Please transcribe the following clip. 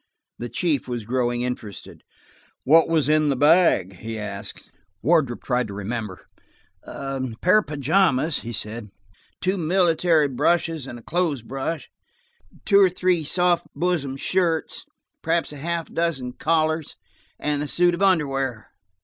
The chief was growing interested. "What was in the bag?" he asked. Wardrop tried to remember. "A pair of pajamas," he said, "two military brushes and a clothes brush, two or three soft bosomed shirts, perhaps a half dozen collars, and a suit of underwear."